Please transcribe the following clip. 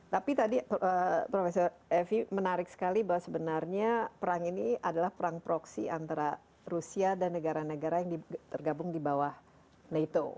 tapi tadi prof evi menarik sekali bahwa sebenarnya perang ini adalah perang proksi antara rusia dan negara negara yang tergabung di bawah nato